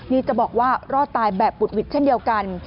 นี่จะบอกว่ารอดตายแบบบุดหวิดเช่นเดียวกัน